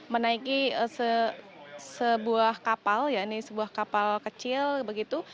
menaiki sebuah kapal ya ini sebuah kapal kecil begitu